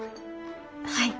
はい。